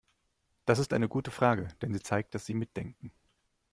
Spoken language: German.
Das ist eine gute Frage, denn sie zeigt, dass Sie mitdenken.